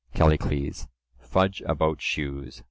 CALLICLES: Fudge about shoes!